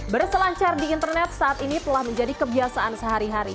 berselancar di internet saat ini telah menjadi kebiasaan sehari hari